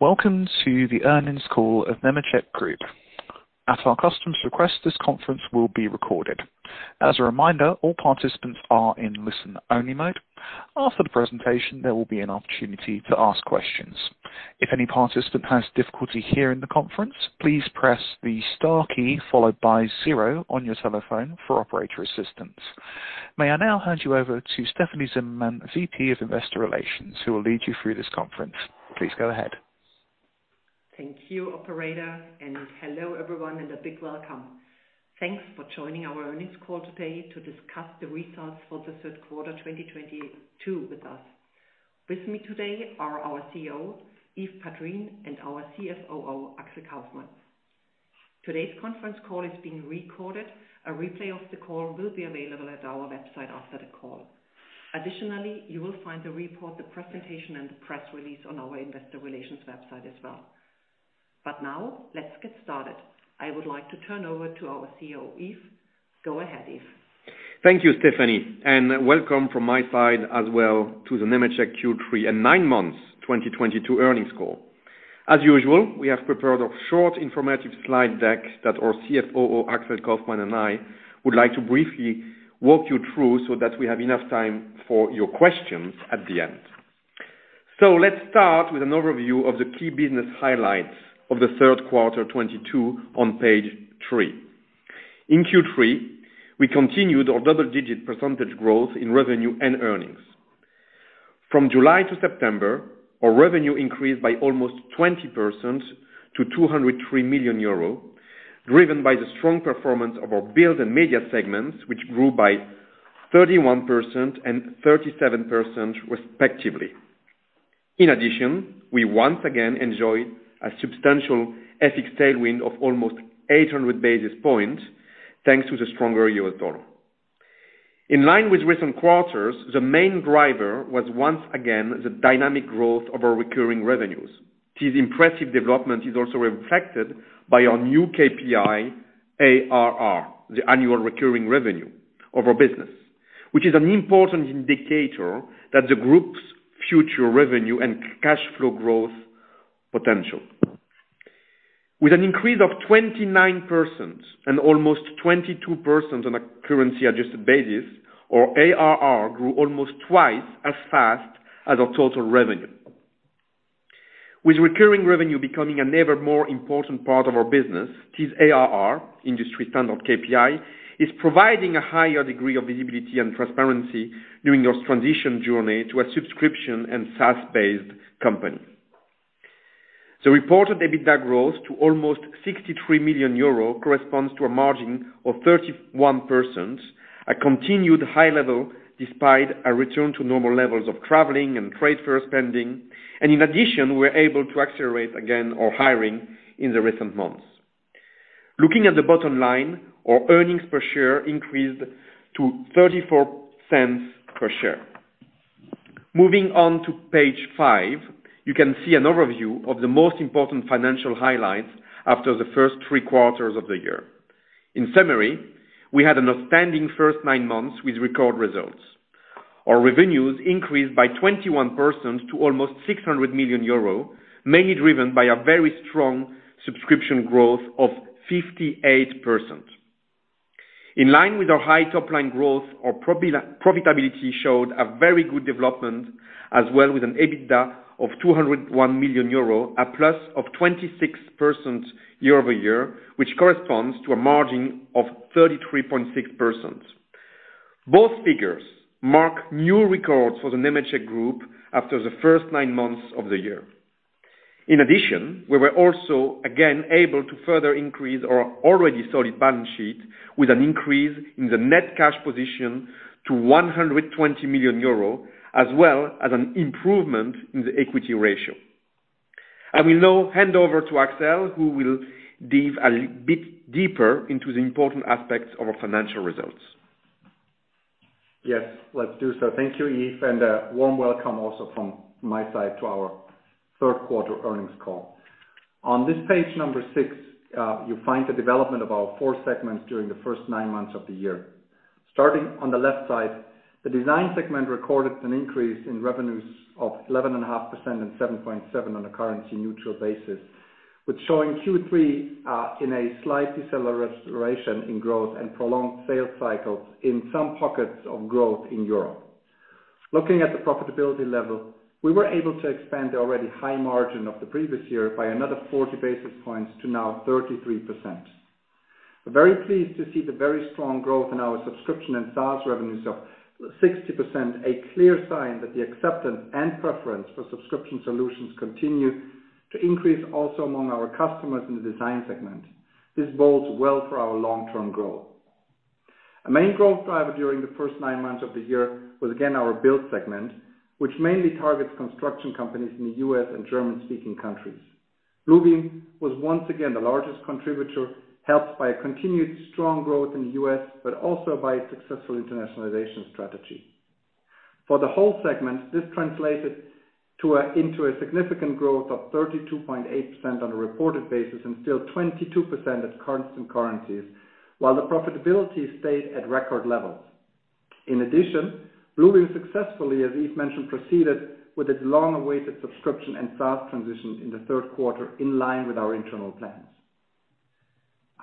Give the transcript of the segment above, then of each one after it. Welcome to the earnings call of Nemetschek Group. At our customer's request, this conference will be recorded. As a reminder, all participants are in listen-only mode. After the presentation, there will be an opportunity to ask questions. If any participant has difficulty hearing the conference, please press the star key followed by zero on your telephone for operator assistance. May I now hand you over to Stefanie Zimmermann, VP of Investor Relations, who will lead you through this conference. Please go ahead. Thank you operator and hello everyone and a big welcome. Thanks for joining our earnings call today to discuss the results for the third quarter 2022 with us. With me today are our CEO, Yves Padrines, and our CFOO, Axel Kaufmann. Today's conference call is being recorded. A replay of the call will be available at our website after the call. Additionally, you will find the report, the presentation, and the press release on our investor relations website as well. Now let's get started. I would like to turn over to our CEO, Yves. Go ahead, Yves. Thank you, Stefanie and welcome from my side as well to the Nemetschek Q3 and nine months 2022 earnings call. As usual, we have prepared a short, informative slide deck that our CFOO, Axel Kaufmann, and I would like to briefly walk you through so that we have enough time for your questions at the end. Let's start with an overview of the key business highlights of the third quarter 2022 on page three. In Q3, we continued our double-digit percentage growth in revenue and earnings. From July to September, our revenue increased by almost 20% to 203 million euro, driven by the strong performance of our build and media segments, which grew by 31% and 37% respectively. In addition, we once again enjoy a substantial FX tailwind of almost 800 basis points, thanks to the stronger euro dollar. In line with recent quarters, the main driver was once again the dynamic growth of our recurring revenues. This impressive development is also reflected by our new KPI, ARR, the annual recurring revenue of our business, which is an important indicator that the group's future revenue and cash flow growth potential. With an increase of 29% and almost 22% on a currency-adjusted basis, our ARR grew almost twice as fast as our total revenue. With recurring revenue becoming an ever more important part of our business, this ARR industry standard KPI is providing a higher degree of visibility and transparency during our transition journey to a subscription and SaaS-based company. The reported EBITDA growth to almost EUR 63 million corresponds to a margin of 31%, a continued high level despite a return to normal levels of traveling and trade fair spending. In addition, we're able to accelerate again our hiring in the recent months. Looking at the bottom line, our earnings per share increased to 0.34 per share. Moving on to page five, you can see an overview of the most important financial highlights after the first three quarters of the year. In summary, we had an outstanding first nine months with record results. Our revenues increased by 21% to almost 600 million euro, mainly driven by a very strong subscription growth of 58%. In line with our high top line growth, our profitability showed a very good development as well, with an EBITDA of 201 million euro, a plus of 26% year-over-year, which corresponds to a margin of 33.6%. Both figures mark new records for the Nemetschek Group after the first nine months of the year. In addition, we were also again able to further increase our already solid balance sheet with an increase in the net cash position to 120 million euro, as well as an improvement in the equity ratio. I will now hand over to Axel, who will dive a bit deeper into the important aspects of our financial results. Yes, let's do so. Thank you, Yves, and a warm welcome also from my side to our third quarter earnings call. On this page number six, you find the development of our four segments during the first nine months of the year. Starting on the left side, the design segment recorded an increase in revenues of 11.5% and 7.7 on a currency neutral basis, with Q3 showing in a slight deceleration in growth and prolonged sales cycles in some pockets of growth in Europe. Looking at the profitability level, we were able to expand the already high margin of the previous year by another 40 basis points to now 33%. We're very pleased to see the very strong growth in our subscription and SaaS revenues of 60%, a clear sign that the acceptance and preference for subscription solutions continue to increase also among our customers in the design segment. This bodes well for our long-term growth. A main growth driver during the first nine months of the year was again our build segment, which mainly targets construction companies in the U.S. and German-speaking countries. Bluebeam was once again the largest contributor, helped by a continued strong growth in the U.S., but also by a successful internationalization strategy. For the whole segment, this translated into a significant growth of 32.8% on a reported basis and still 22% at constant currencies, while the profitability stayed at record levels. In addition, Bluebeam successfully, as Yves mentioned, proceeded with its long-awaited subscription and SaaS transition in the third quarter, in line with our internal plans.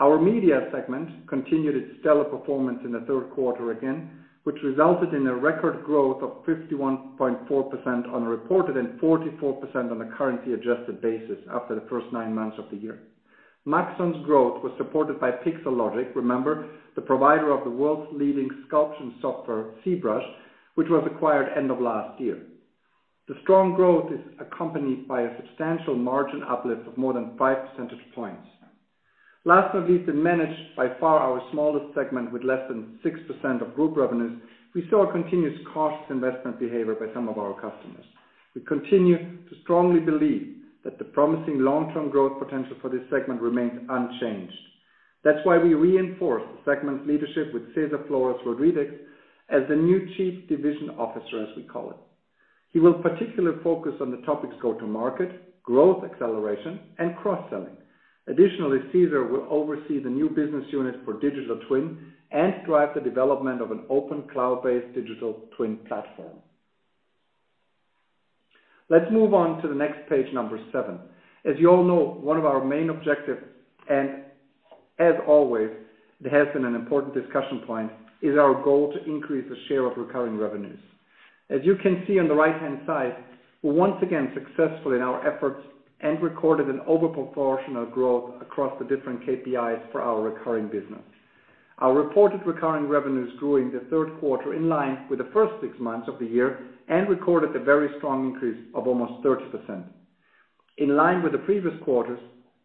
Our media segment continued its stellar performance in the third quarter again, which resulted in a record growth of 51.4% on reported and 44% on a currency adjusted basis after the first nine months of the year. Maxon's growth was supported by Pixologic. Remember, the provider of the world's leading sculpting software, ZBrush, which was acquired end of last year. The strong growth is accompanied by a substantial margin uplift of more than 5 percentage points. Last but not least, in Manage, by far our smallest segment with less than 6% of group revenues, we saw a continuous cautious investment behavior by some of our customers. We continue to strongly believe that the promising long-term growth potential for this segment remains unchanged. That's why we reinforced the segment's leadership with César Flores Rodríguez as the new Chief Division Officer, as we call him. He will particularly focus on the topics go-to-market, growth acceleration, and cross-selling. Additionally, César will oversee the new business unit for Digital Twin and drive the development of an open cloud-based Digital Twin platform. Let's move on to the next page, number seven. As you all know, one of our main objectives and as always, it has been an important discussion point, is our goal to increase the share of recurring revenues. As you can see on the right-hand side, we're once again successful in our efforts and recorded an overproportional growth across the different KPIs for our recurring business. Our reported recurring revenues grew in the third quarter in line with the first six months of the year and recorded a very strong increase of almost 30%. In line with the previous quarters,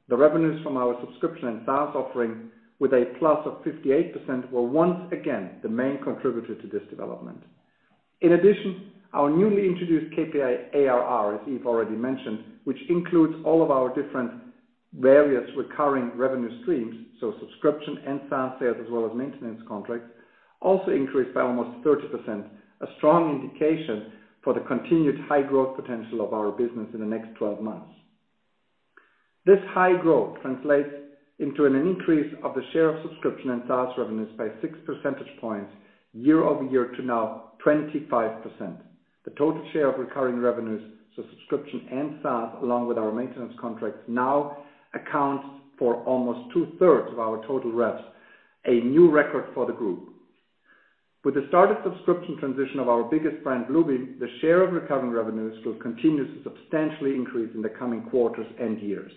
the revenues from our subscription and SaaS offering with a plus of 58%, were once again the main contributor to this development. In addition, our newly introduced KPI, ARR, as Yves already mentioned, which includes all of our different various recurring revenue streams, so subscription and SaaS sales, as well as maintenance contracts, also increased by almost 30%, a strong indication for the continued high growth potential of our business in the next 12 months. This high growth translates into an increase of the share of subscription and SaaS revenues by 6 percentage points year-over-year to now 25%. The total share of recurring revenues, so subscription and SaaS, along with our maintenance contracts, now accounts for almost two-thirds of our total revs, a new record for the group. With the start of subscription transition of our biggest brand, Bluebeam, the share of recurring revenues will continue to substantially increase in the coming quarters and years.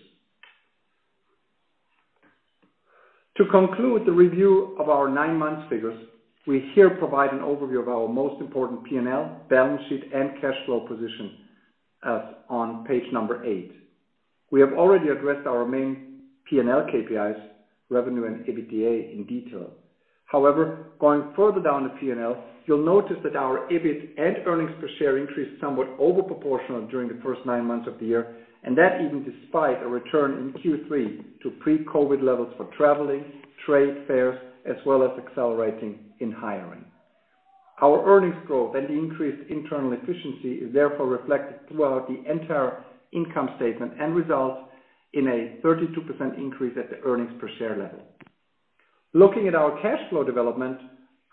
To conclude the review of our nine-month figures, we here provide an overview of our most important P&L, balance sheet, and cash flow position on page eight. We have already addressed our main P&L KPIs, revenue, and EBITDA in detail. However, going further down the P&L, you'll notice that our EBIT and earnings per share increased somewhat overproportional during the first nine months of the year, and that even despite a return in Q3 to pre-COVID levels for traveling, trade fairs, as well as accelerating in hiring. Our earnings growth and the increased internal efficiency is therefore reflected throughout the entire income statement and results in a 32% increase at the earnings per share level. Looking at our cash flow development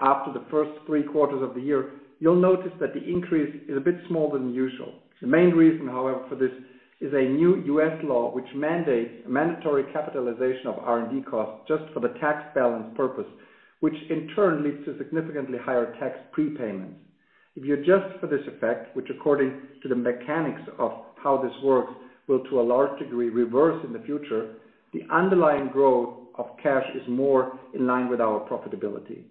after the first three quarters of the year, you'll notice that the increase is a bit smaller than usual. The main reason, however, for this is a new U.S. law which mandates mandatory capitalization of R&D costs just for the tax balance purpose, which in turn leads to significantly higher tax prepayments. If you adjust for this effect, which according to the mechanics of how this works, will to a large degree reverse in the future, the underlying growth of cash is more in line with our profitability.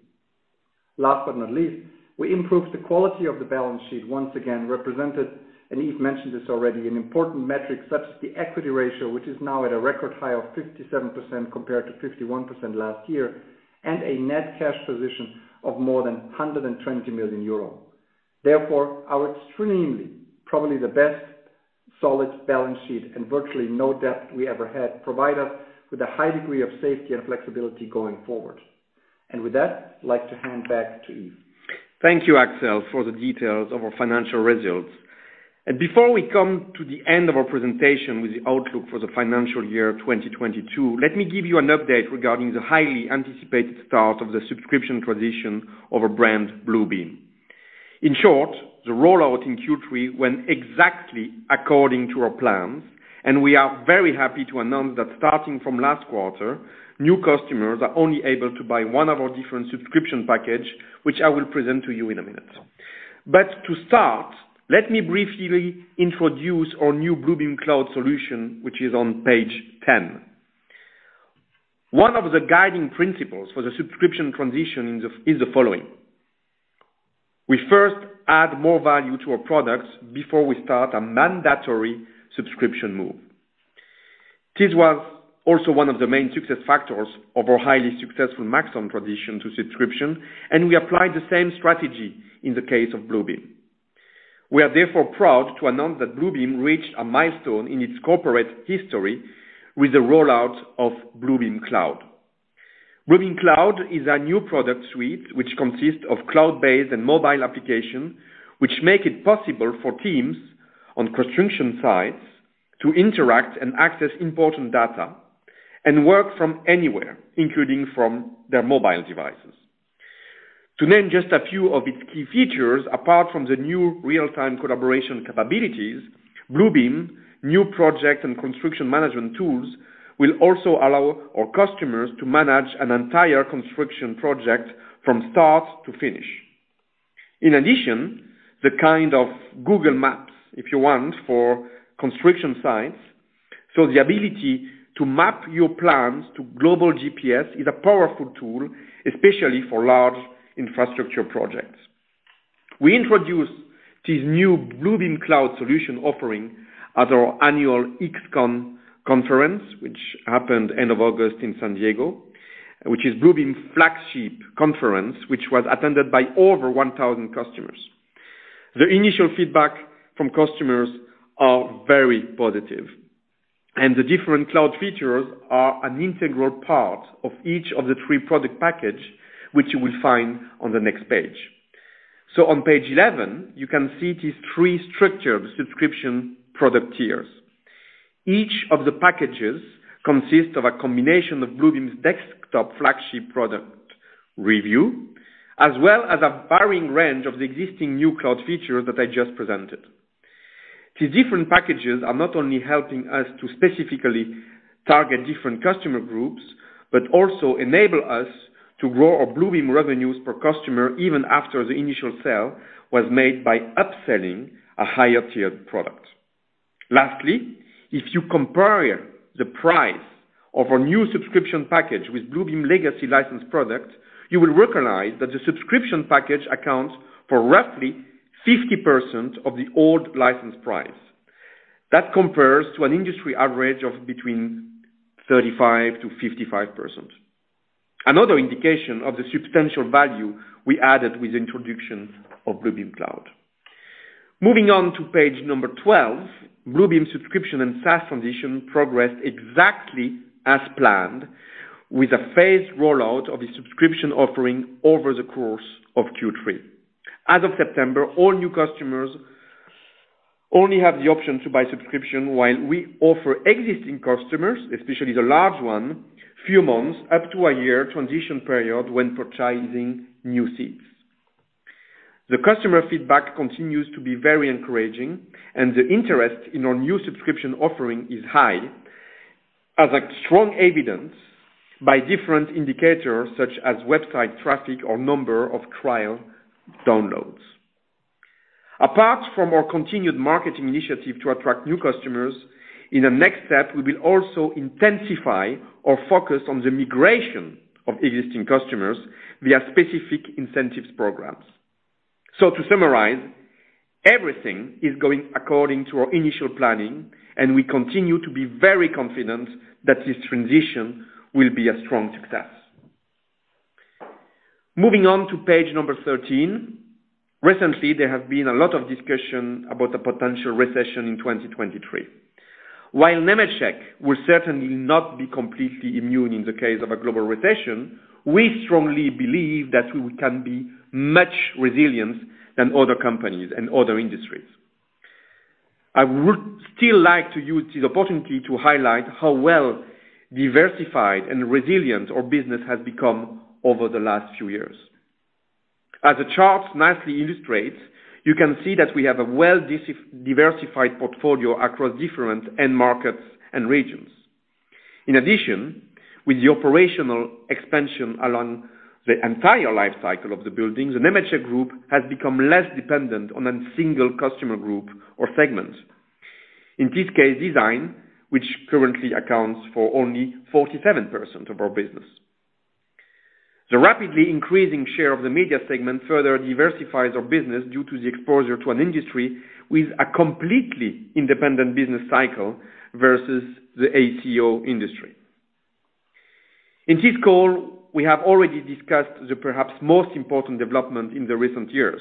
Last but not least, we improved the quality of the balance sheet once again, represented, and Yves mentioned this already, an important metric such as the equity ratio, which is now at a record high of 57% compared to 51% last year and a net cash position of more than 120 million euros. Therefore, our extremely, probably the best solid balance sheet and virtually no debt we ever had provide us with a high degree of safety and flexibility going forward. With that, I'd like to hand back to Yves. Thank you, Axel, for the details of our financial results. Before we come to the end of our presentation with the outlook for the financial year 2022, let me give you an update regarding the highly anticipated start of the subscription transition of our brand, Bluebeam. In short, the rollout in Q3 went exactly according to our plans, and we are very happy to announce that starting from last quarter, new customers are only able to buy one of our different subscription package, which I will present to you in a minute. To start, let me briefly introduce our new Bluebeam Cloud solution, which is on page 10. One of the guiding principles for the subscription transition is the following: We first add more value to our products before we start a mandatory subscription move. This was also one of the main success factors of our highly successful Maxon transition to subscription, and we applied the same strategy in the case of Bluebeam. We are therefore proud to announce that Bluebeam reached a milestone in its corporate history with the rollout of Bluebeam Cloud. Bluebeam Cloud is our new product suite which consists of cloud-based and mobile application, which make it possible for teams on construction sites to interact and access important data. Work from anywhere, including from their mobile devices. To name just a few of its key features, apart from the new real-time collaboration capabilities, Bluebeam's new project and construction management tools will also allow our customers to manage an entire construction project from start to finish. In addition, the kind of Google Maps, if you want, for construction sites. The ability to map your plans to global GPS is a powerful tool, especially for large infrastructure projects. We introduced this new Bluebeam Cloud solution offering at our annual XCON conference, which happened end of August in San Diego, which is Bluebeam flagship conference, which was attended by over 1,000 customers. The initial feedback from customers are very positive, and the different cloud features are an integral part of each of the three product package, which you will find on the next page. On page 11, you can see these three structured subscription product tiers. Each of the packages consist of a combination of Bluebeam's desktop flagship product Revu, as well as a varying range of the exciting new cloud features that I just presented. The different packages are not only helping us to specifically target different customer groups, but also enable us to grow our Bluebeam revenues per customer, even after the initial sale was made by upselling a higher tiered product. Lastly, if you compare the price of our new subscription package with Bluebeam legacy license product, you will recognize that the subscription package accounts for roughly 50% of the old license price. That compares to an industry average of between 35%-55%. Another indication of the substantial value we added with introduction of Bluebeam Cloud. Moving on to page 12. Bluebeam subscription and SaaS transition progressed exactly as planned, with a phased rollout of the subscription offering over the course of Q3. As of September, all new customers only have the option to buy subscription while we offer existing customers, especially the large one, few months up to a year transition period when purchasing new seats. The customer feedback continues to be very encouraging and the interest in our new subscription offering is high as a strong evidence by different indicators such as website traffic or number of trial downloads. Apart from our continued marketing initiative to attract new customers, in the next step, we will also intensify or focus on the migration of existing customers via specific incentives programs. To summarize, everything is going according to our initial planning, and we continue to be very confident that this transition will be a strong success. Moving on to page number 13. Recently, there have been a lot of discussion about the potential recession in 2023. While Nemetschek will certainly not be completely immune in the case of a global recession, we strongly believe that we can be much more resilient than other companies and other industries. I would still like to use this opportunity to highlight how well diversified and resilient our business has become over the last few years. As the chart nicely illustrates, you can see that we have a well diversified portfolio across different end markets and regions. In addition, with the operational expansion along the entire life cycle of the buildings, the Nemetschek Group has become less dependent on a single customer group or segment. In this case, design, which currently accounts for only 47% of our business. The rapidly increasing share of the media segment further diversifies our business due to the exposure to an industry with a completely independent business cycle versus the AEC/O industry. In this call, we have already discussed the perhaps most important development in the recent years,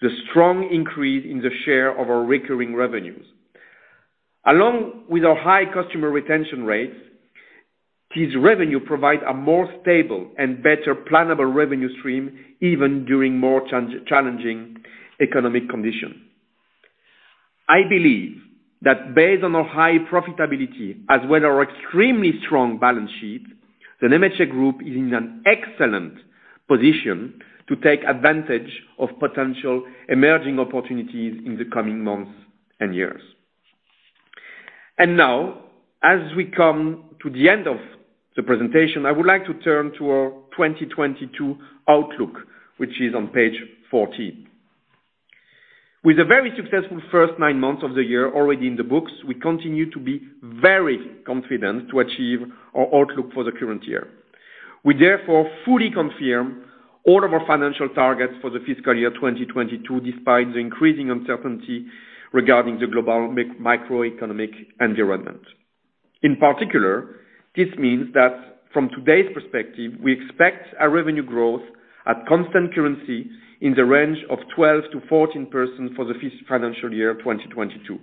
the strong increase in the share of our recurring revenues. Along with our high customer retention rates, this revenue provides a more stable and better plannable revenue stream even during more challenging economic conditions. I believe that based on our high profitability as well as our extremely strong balance sheet, the Nemetschek Group is in an excellent position to take advantage of potential emerging opportunities in the coming months and years. Now, as we come to the end of the presentation, I would like to turn to our 2022 outlook, which is on page 14. With a very successful first 9 months of the year already in the books, we continue to be very confident to achieve our outlook for the current year. We therefore fully confirm all of our financial targets for the fiscal year 2022, despite the increasing uncertainty regarding the global microeconomic environment. In particular, this means that from today's perspective, we expect our revenue growth at constant currency in the range of 12%-14% for the financial year 2022.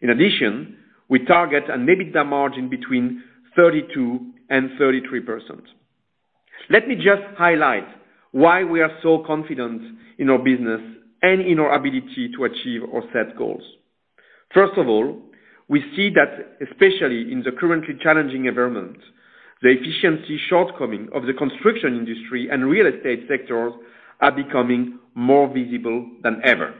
In addition, we target an EBITDA margin between 32% and 33%. Let me just highlight why we are so confident in our business and in our ability to achieve our set goals. First of all, we see that especially in the currently challenging environment, the efficiency shortcoming of the construction industry and real estate sectors are becoming more visible than ever.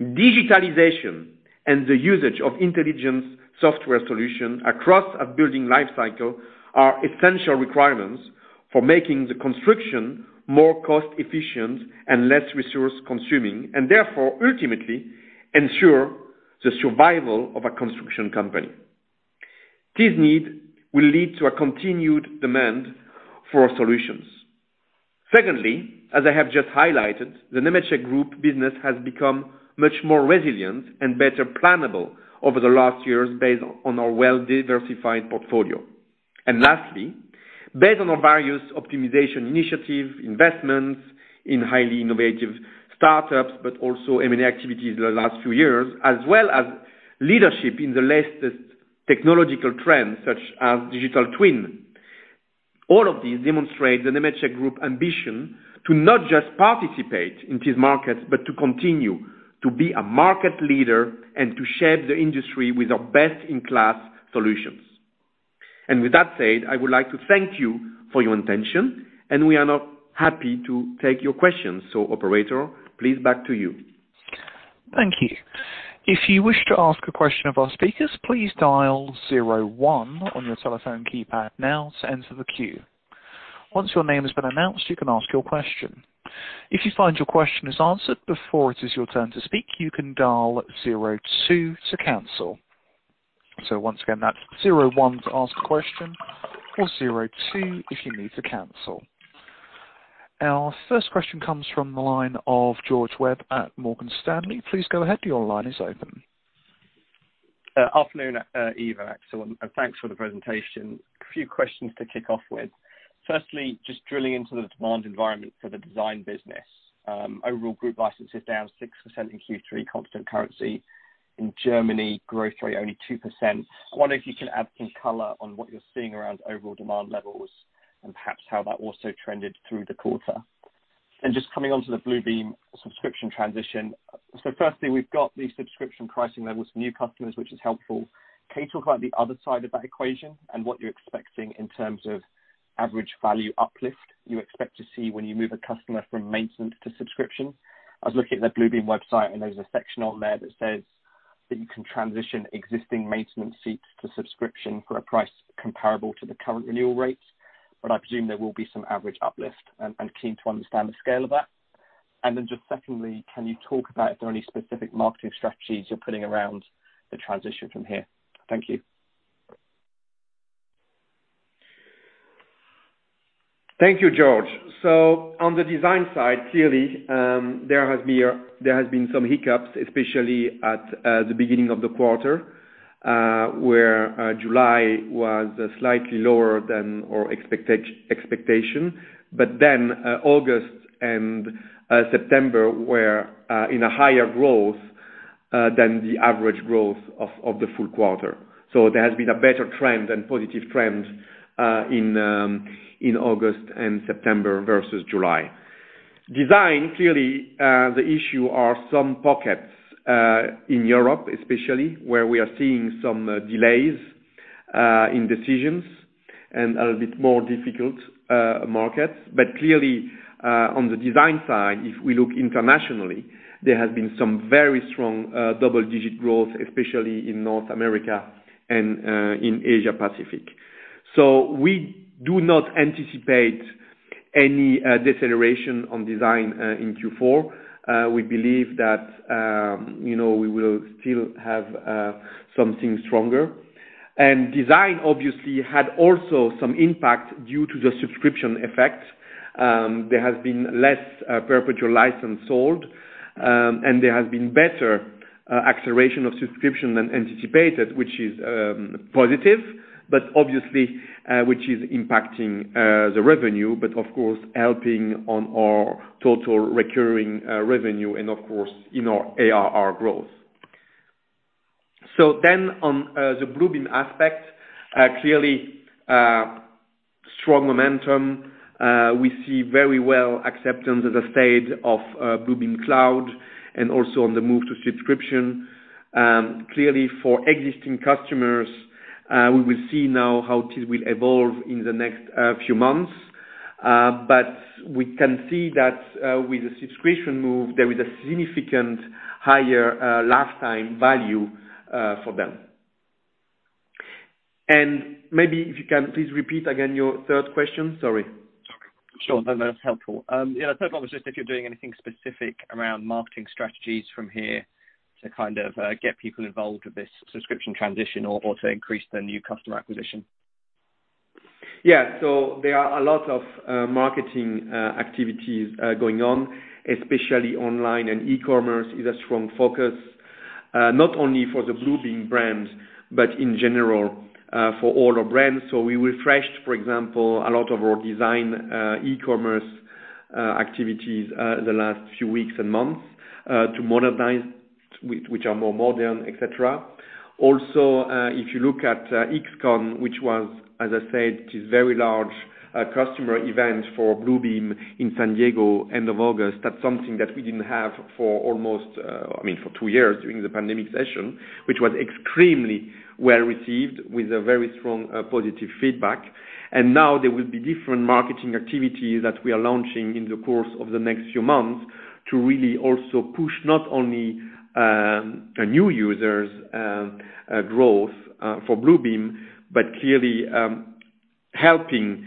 Digitalization and the usage of intelligence software solution across a building life cycle are essential requirements for making the construction more cost efficient and less resource consuming and therefore ultimately ensure the survival of a construction company. This need will lead to a continued demand for solutions. Secondly, as I have just highlighted, the Nemetschek Group business has become much more resilient and better plannable over the last years based on our well-diversified portfolio. Lastly, based on our various optimization initiatives, investments in highly innovative startups, but also M&A activities in the last few years, as well as leadership in the latest technological trends such as Digital Twin. All of these demonstrate the Nemetschek Group ambition to not just participate in these markets, but to continue to be a market leader and to shape the industry with our best-in-class solutions. With that said, I would like to thank you for your attention, and we are now happy to take your questions. Operator, please back to you. Thank you. If you wish to ask a question of our speakers, please dial zero one on your telephone keypad now to enter the queue. Once your name has been announced, you can ask your question. If you find your question is answered before it is your turn to speak, you can dial zero two to cancel. Once again, that's zero one to ask a question or zero two if you need to cancel. Our first question comes from the line of George Webb at Morgan Stanley. Please go ahead. Your line is open. Afternoon, Yves and Axel, and thanks for the presentation. A few questions to kick off with. Firstly, just drilling into the demand environment for the design business. Overall group license is down 6% in Q3, constant currency. In Germany, growth rate only 2%. I wonder if you can add some color on what you're seeing around overall demand levels and perhaps how that also trended through the quarter. Just coming onto the Bluebeam subscription transition. Firstly, we've got the subscription pricing levels for new customers, which is helpful. Can you talk about the other side of that equation and what you're expecting in terms of average value uplift you expect to see when you move a customer from maintenance to subscription? I was looking at the Bluebeam website and there's a section on there that says that you can transition existing maintenance seats to subscription for a price comparable to the current renewal rates. I presume there will be some average uplift and keen to understand the scale of that. Then just secondly, can you talk about if there are any specific marketing strategies you're putting around the transition from here? Thank you. Thank you, George. On the design side, clearly, there has been some hiccups, especially at the beginning of the quarter, where July was slightly lower than our expectation. August and September were in a higher growth than the average growth of the full quarter. There has been a better trend and positive trend in August and September versus July. Design, clearly, the issues are some pockets in Europe, especially, where we are seeing some delays in decisions and a little bit more difficult markets. Clearly, on the design side, if we look internationally, there has been some very strong double-digit growth, especially in North America and in Asia-Pacific. We do not anticipate any deceleration on design in Q4. We believe that, you know, we will still have something stronger. Design obviously had also some impact due to the subscription effect. There has been less perpetual license sold, and there has been better acceleration of subscription than anticipated, which is positive. Obviously, which is impacting the revenue, but of course helping on our total recurring revenue and of course in our ARR growth. On the Bluebeam aspect, clearly strong momentum. We see very well acceptance of the state of Bluebeam Cloud and also on the move to subscription. Clearly for existing customers, we will see now how this will evolve in the next few months. We can see that with the subscription move, there is a significant higher lifetime value for them. Maybe if you can please repeat again your third question. Sorry. Sure. No, no, it's helpful. Yeah, third one was just if you're doing anything specific around marketing strategies from here to kind of get people involved with this subscription transition or to increase the new customer acquisition? Yeah. There are a lot of marketing activities going on, especially online, and e-commerce is a strong focus, not only for the Bluebeam brand, but in general, for all our brands. We refreshed, for example, a lot of our design e-commerce activities the last few weeks and months to modernize, which are more modern, et cetera. Also, if you look at XCON, which, as I said, is very large customer event for Bluebeam in San Diego, end of August. That's something that we didn't have for almost, I mean for two years during the pandemic, which was extremely well received with a very strong positive feedback. Now there will be different marketing activities that we are launching in the course of the next few months to really also push, not only new users growth for Bluebeam, but clearly helping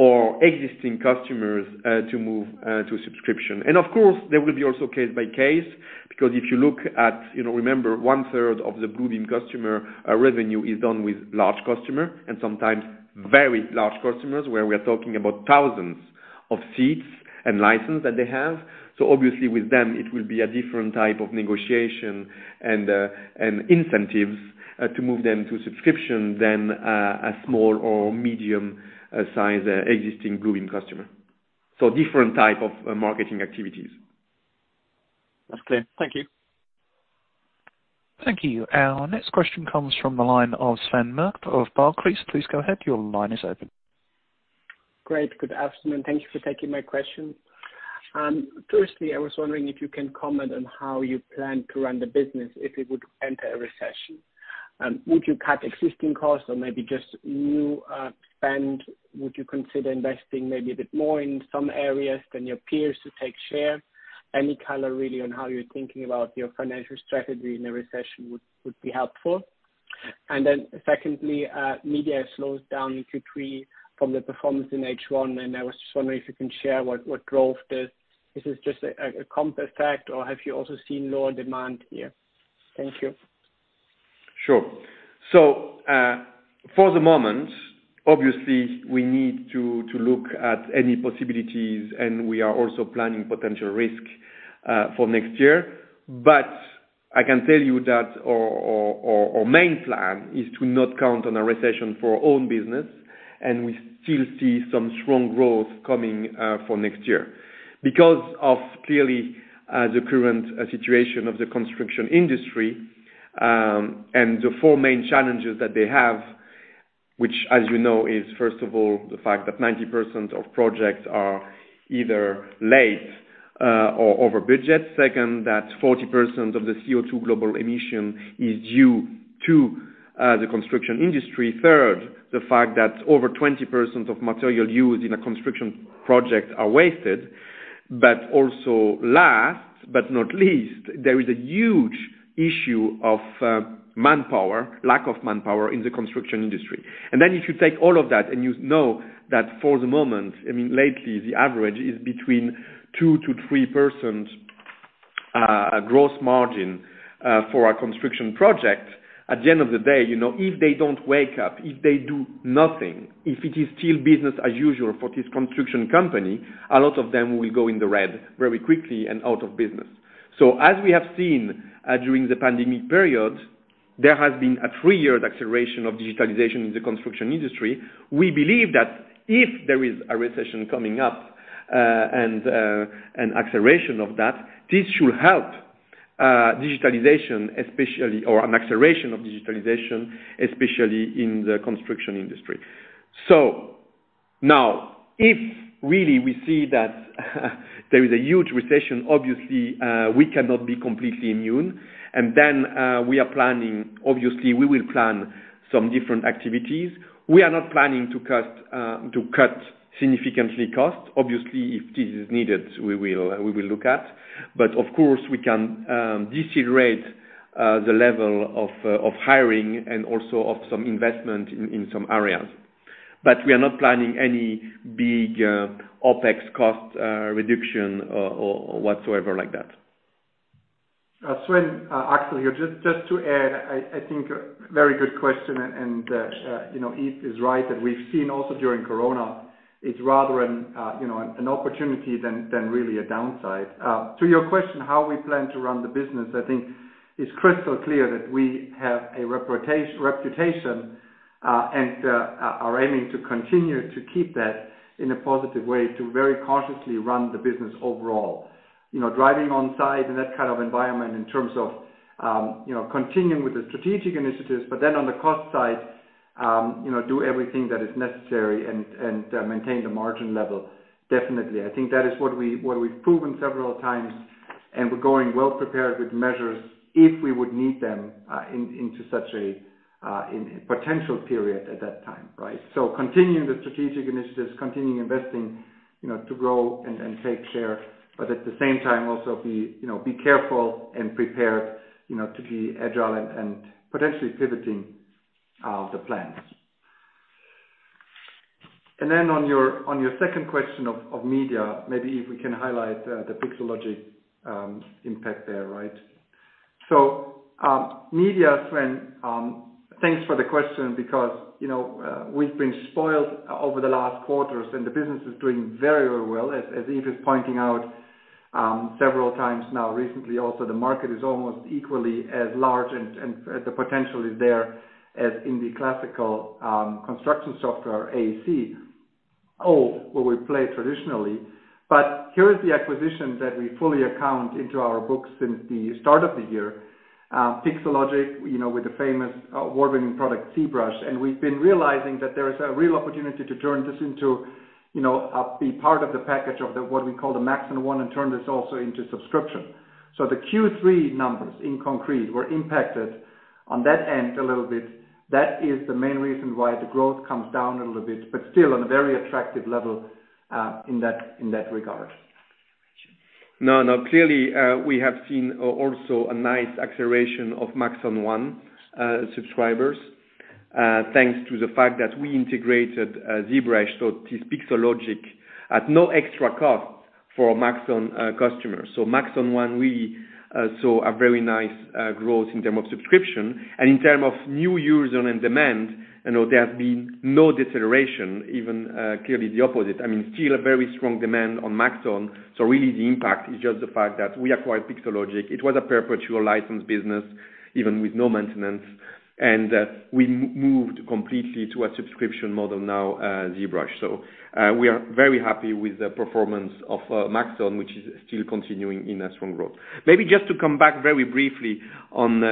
our existing customers to move to subscription. Of course, there will be also case by case, because if you look at, you know, remember one-third of the Bluebeam customer revenue is done with large customer and sometimes very large customers where we are talking about thousands of seats and licenses that they have. Obviously with them it will be a different type of negotiation and incentives to move them to subscription than a small or medium size existing Bluebeam customer. Different type of marketing activities. That's clear. Thank you. Thank you. Our next question comes from the line of Sven Merkt of Barclays. Please go ahead. Your line is open. Great. Good afternoon. Thank you for taking my question. Firstly, I was wondering if you can comment on how you plan to run the business if it would enter a recession. Would you cut existing costs or maybe just new spend? Would you consider investing maybe a bit more in some areas than your peers to take share? Any color really on how you're thinking about your financial strategy in a recession would be helpful. Secondly, media slows down Q3 from the performance in H1, and I was just wondering if you can share what drove this. Is it just a comp effect or have you also seen lower demand here? Thank you. Sure. For the moment, obviously we need to look at any possibilities and we are also planning potential risk for next year. I can tell you that our main plan is to not count on a recession for our own business, and we still see some strong growth coming for next year. Because of clearly the current situation of the construction industry and the four main challenges that they have, which as we know is first of all, the fact that 90% of projects are either late or over budget. Second, that 40% of the CO2 global emission is due to the construction industry. Third, the fact that over 20% of material used in a construction project are wasted, but also last but not least, there is a huge issue of manpower, lack of manpower in the construction industry. Then if you take all of that and you know that for the moment, I mean, lately the average is between 2%-3% gross margin for a construction project, at the end of the day, you know, if they don't wake up, if they do nothing, if it is still business as usual for this construction company, a lot of them will go in the red very quickly and out of business. As we have seen during the pandemic period, there has been a three-year acceleration of digitalization in the construction industry. We believe that if there is a recession coming up and an acceleration of that, this should help digitalization especially, or an acceleration of digitalization, especially in the construction industry. Now if really we see that there is a huge recession, obviously, we cannot be completely immune. We are planning, obviously we will plan some different activities. We are not planning to cut significantly costs. Obviously if this is needed, we will look at. Of course we can decelerate the level of of hiring and also of some investment in some areas. We are not planning any big OpEx cost reduction or whatsoever like that. Sven, Axel here. Just to add, I think very good question and, you know, Yves is right that we've seen also during Corona it's rather an, you know, an opportunity than really a downside. To your question, how we plan to run the business, I think it's crystal clear that we have a reputation and are aiming to continue to keep that in a positive way to very cautiously run the business overall. You know, driving on site in that kind of environment in terms of, you know, continuing with the strategic initiatives, but then on the cost side, you know, do everything that is necessary and maintain the margin level. Definitely. I think that is what we've proven several times and we're going well prepared with measures if we would need them into such a potential period at that time, right? Continuing the strategic initiatives, continuing investing, you know, to grow and take share, but at the same time also, you know, be careful and prepared, you know, to be agile and potentially pivoting the plans. On your second question of Media, maybe if we can highlight the Pixologic impact there, right? Media, Sven, thanks for the question because, you know, we've been spoiled over the last quarters and the business is doing very, very well as Yves is pointing out. Several times now, recently also, the market is almost equally as large and the potential is there, as in the classical construction software, AEC, all where we play traditionally. Here is the acquisition that we fully account into our books since the start of the year. Pixologic, you know, with the famous award-winning product ZBrush, and we've been realizing that there is a real opportunity to turn this into, you know, to be part of the package of what we call the Maxon One and turn this also into subscription. The Q3 numbers concretely were impacted on that end a little bit. That is the main reason why the growth comes down a little bit, but still on a very attractive level, in that regard. No, no. Clearly, we have seen also a nice acceleration of Maxon One subscribers, thanks to the fact that we integrated ZBrush, so it is Pixologic at no extra cost for Maxon customers. Maxon One, we saw a very nice growth in terms of subscription. In terms of new users and in demand, you know, there has been no deterioration even, clearly the opposite. I mean, still a very strong demand on Maxon. Really the impact is just the fact that we acquired Pixologic. It was a perpetual license business, even with no maintenance, and we moved completely to a subscription model now, ZBrush. We are very happy with the performance of Maxon, which is still continuing in a strong growth. Maybe just to come back very briefly on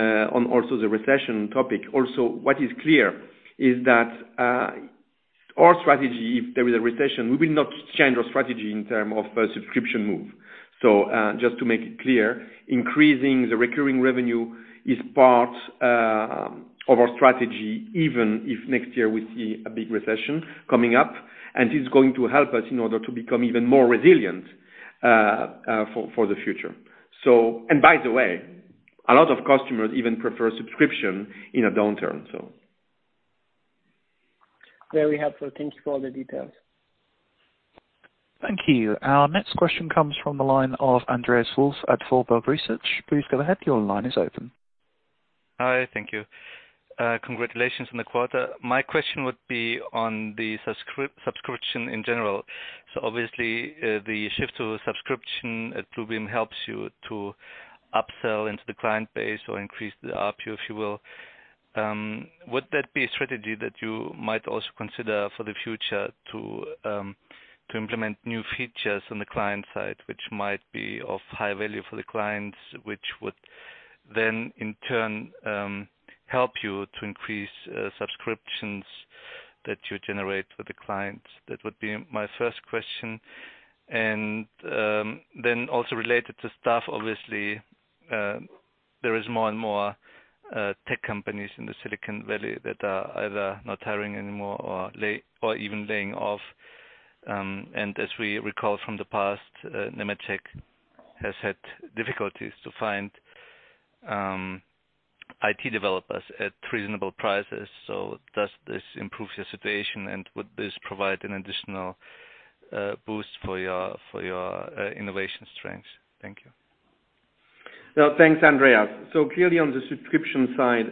also the recession topic. Also, what is clear is that our strategy, if there is a recession, we will not change our strategy in terms of a subscription move. Just to make it clear, increasing the recurring revenue is part of our strategy, even if next year we see a big recession coming up, and it's going to help us in order to become even more resilient for the future. By the way, a lot of customers even prefer subscription in a downturn, so. Very helpful. Thank you for all the details. Thank you. Our next question comes from the line of Andreas Holz at Warburg Research. Please go ahead. Your line is open. Hi. Thank you. Congratulations on the quarter. My question would be on the subscription in general. Obviously, the shift to a subscription at Bluebeam helps you to upsell into the client base or increase the RP, if you will. Would that be a strategy that you might also consider for the future to implement new features on the client side, which might be of high value for the clients, which would then in turn help you to increase subscriptions that you generate for the clients? That would be my first question. Also related to staff, obviously, there is more and more tech companies in the Silicon Valley that are either not hiring anymore or even laying off. As we recall from the past, Nemetschek has had difficulties to find IT developers at reasonable prices. Does this improve your situation, and would this provide an additional boost for your innovation strengths? Thank you. Well, thanks, Andreas. Clearly on the subscription side,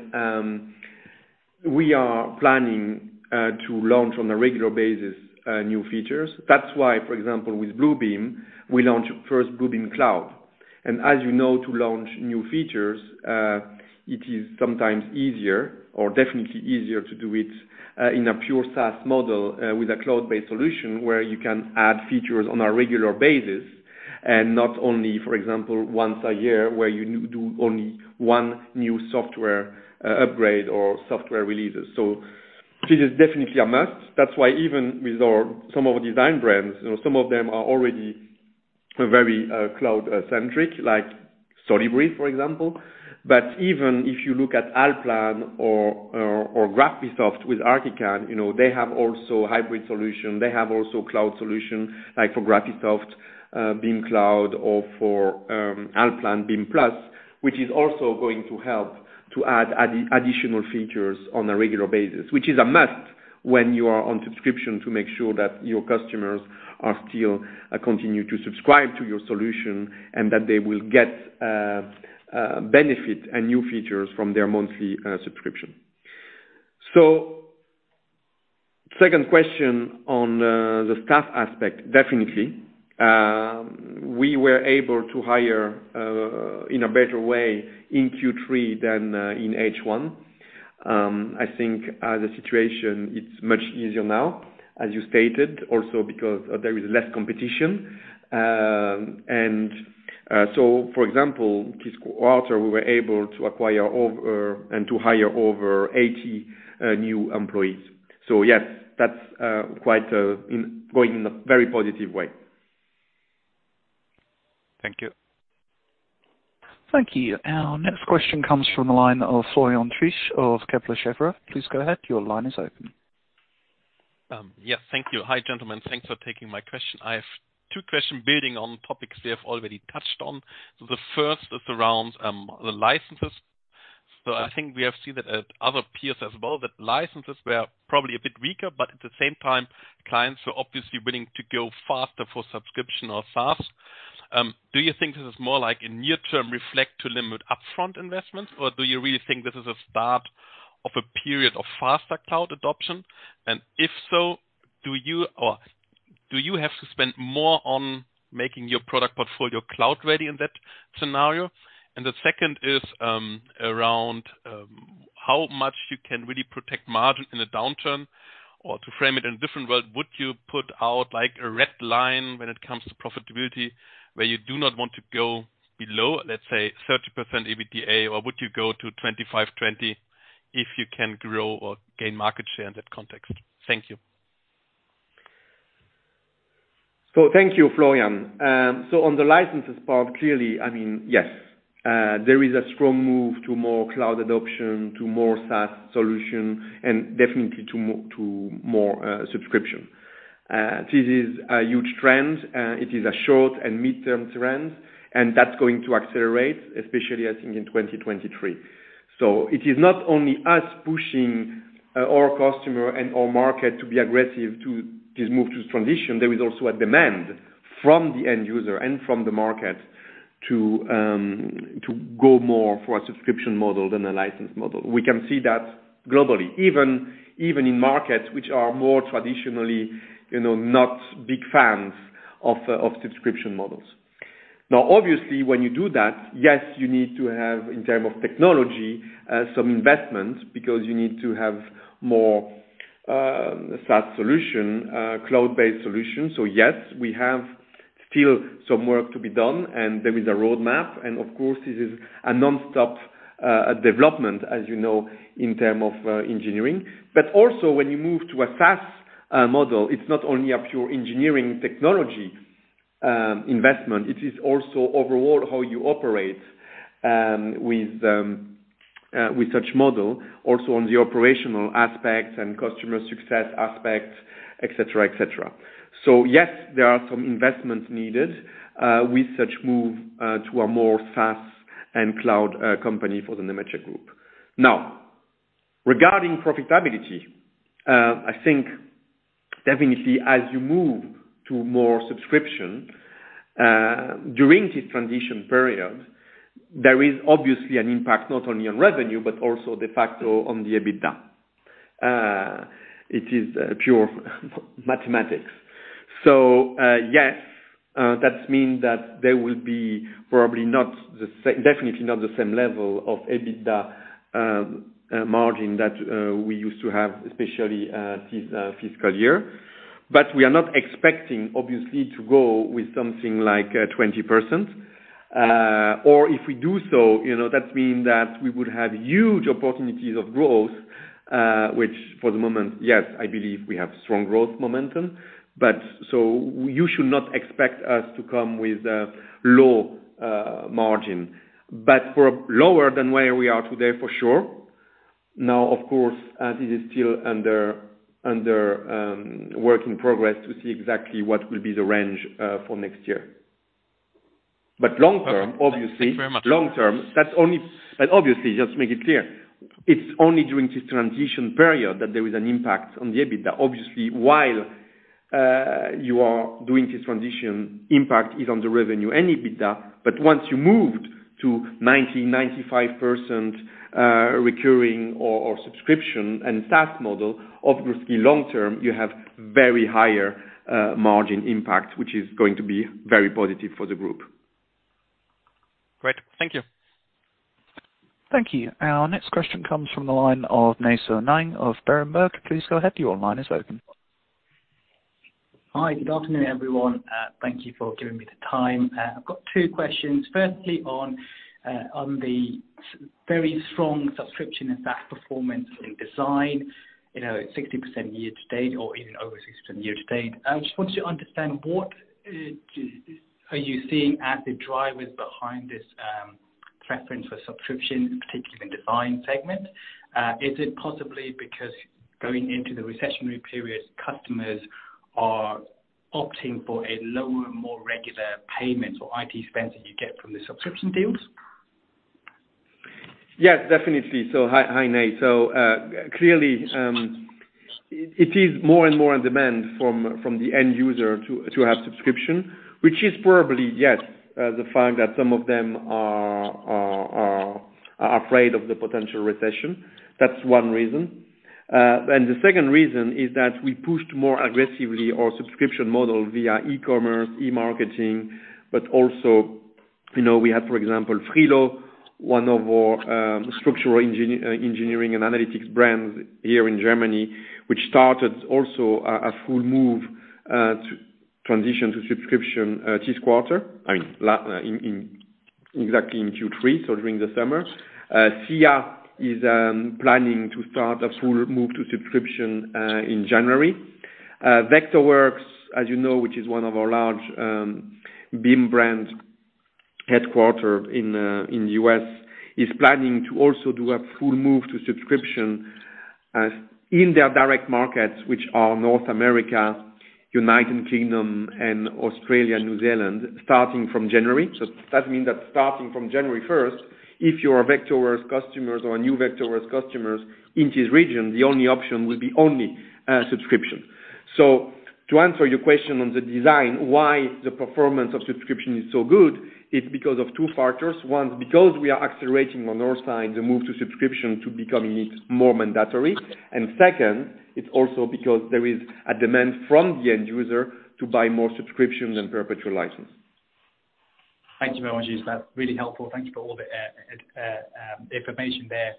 we are planning to launch on a regular basis new features. That's why, for example, with Bluebeam, we launched first Bluebeam Cloud. As you know, to launch new features, it is sometimes easier or definitely easier to do it in a pure SaaS model with a cloud-based solution where you can add features on a regular basis, and not only, for example, once a year, where you need to do only one new software upgrade or software release. This is definitely a must. That's why even with our, some of our design brands, you know, some of them are already very cloud-centric, like Solibri, for example. Even if you look at Allplan or Graphisoft with ArchiCAD, you know, they have also hybrid solution. They have also cloud solution, like for Graphisoft, BIMcloud or for Allplan Bimplus, which is also going to help to add additional features on a regular basis. Which is a must when you are on subscription to make sure that your customers are still continue to subscribe to your solution, and that they will get benefit and new features from their monthly subscription. Second question on the staff aspect, definitely, we were able to hire in a better way in Q3 than in H1. I think the situation is much easier now, as you stated, also because there is less competition. For example, this quarter, we were able to hire over 80 new employees. Yes, that's quite impressive going in a very positive way. Thank you. Thank you. Our next question comes from the line of Florian Treisch of Kepler Cheuvreux. Please go ahead. Your line is open. Yes. Thank you. Hi, gentlemen. Thanks for taking my question. I have two questions building on topics we have already touched on. The first is around the licenses. I think we have seen that at other peers as well, that licenses were probably a bit weaker, but at the same time, clients are obviously willing to go faster for subscription or SaaS. Do you think this is more like a near-term effect to limit upfront investments, or do you really think this is a start of a period of faster cloud adoption? And if so- Do you have to spend more on making your product portfolio cloud ready in that scenario? The second is, around, how much you can really protect margin in a downturn or to frame it in a different way, would you put out like a red line when it comes to profitability where you do not want to go below, let's say, 30% EBITDA? Or would you go to 25%-20% if you can grow or gain market share in that context? Thank you. Thank you, Florian. On the licenses part, clearly, I mean, yes, there is a strong move to more cloud adoption, to more SaaS solution and definitely to more subscription. This is a huge trend. It is a short and midterm trend, and that's going to accelerate, especially I think in 2023. It is not only us pushing our customer and our market to be aggressive to this move to transition, there is also a demand from the end user and from the market to go more for a subscription model than a license model. We can see that globally, even in markets which are more traditionally, you know, not big fans of subscription models. Now, obviously, when you do that, yes, you need to have, in terms of technology, some investments because you need to have more SaaS solution, cloud-based solutions. Yes, we have still some work to be done and there is a roadmap, and of course, this is a nonstop development as you know, in terms of engineering. Also when you move to a SaaS model, it's not only a pure engineering technology investment, it is also overall how you operate with such model also on the operational aspects and customer success aspects, et cetera, et cetera. Yes, there are some investments needed with such move to a more SaaS and cloud company for the Nemetschek Group. Now, regarding profitability, I think definitely as you move to more subscription during this transition period, there is obviously an impact not only on revenue but also the factor on the EBITDA. It is pure mathematics. Yes, that mean that there will be probably not definitely not the same level of EBITDA margin that we used to have, especially this fiscal year. We are not expecting obviously to go with something like 20%. Or if we do so, you know, that mean that we would have huge opportunities of growth, which for the moment, yes, I believe we have strong growth momentum. You should not expect us to come with a low margin. Lower than where we are today, for sure. Now of course, as it is still under work in progress to see exactly what will be the range for next year. Long term, obviously. Thank you very much. Long term, that's only during this transition period that there is an impact on the EBITDA. Obviously, just to make it clear, it's only during this transition period that there is an impact on the EBITDA. Obviously, while you are doing this transition, impact is on the revenue and EBITDA, but once you moved to 90, 95% recurring or subscription and SaaS model, obviously long term, you have very higher margin impact which is going to be very positive for the group. Great. Thank you. Thank you. Our next question comes from the line of Nay Soe Naing of Berenberg. Please go ahead, your line is open. Hi, good afternoon, everyone. Thank you for giving me the time. I've got two questions. Firstly on the very strong subscription and fast performance in design, you know, 60% year to date or even over 60% year to date. I just want to understand what are you seeing as the drivers behind this preference for subscription, particularly in design segment? Is it possibly because going into the recessionary period, customers are opting for a lower and more regular payment or IT spend that you get from the subscription deals? Yes, definitely. Hi, hi, Nay. Clearly, it is more and more on demand from the end user to have subscription, which is probably the fact that some of them are afraid of the potential recession. That's one reason. The second reason is that we pushed more aggressively our subscription model via e-commerce, e-marketing, but also, you know, we have, for example, FRILO, one of our structural engineering and analytics brands here in Germany, which started also a full move to transition to subscription this quarter. I mean, in exactly Q3, so during the summer. SCIA is planning to start a full move to subscription in January. Vectorworks, as you know, which is one of our large, BIM brand headquartered in the U.S., is planning to also do a full move to subscription in their direct markets, which are North America, United Kingdom, and Australia, New Zealand, starting from January. That means that starting from January first, if you're a Vectorworks customers or a new Vectorworks customers in this region, the only option will be subscription. To answer your question on the design, why the performance of subscription is so good, it's because of two factors. One, because we are accelerating on our side, the move to subscription to becoming it more mandatory. And second, it's also because there is a demand from the end user to buy more subscription than perpetual license. Thank you very much, Yves. That's really helpful. Thank you for all the information there.